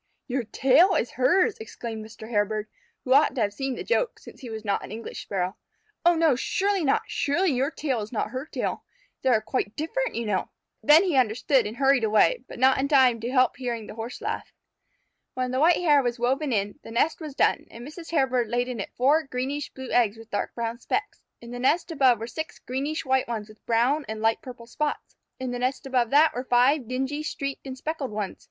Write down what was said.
"Your tail is hers!" exclaimed Mr. Hairbird, who ought to have seen the joke, since he was not an English Sparrow. "Oh, no, surely not! Surely your tail is not her tail. They are quite different, you know!" Then he understood and hurried away, but not in time to help hearing the Horse laugh. When the white hair was woven in, the nest was done, and Mrs. Hairbird laid in it four greenish blue eggs with dark brown specks. In the nest above were six greenish white ones with brown and light purple spots. In the nest above that were five dingy streaked and speckled ones. Mrs.